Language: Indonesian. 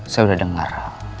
saya udah dengar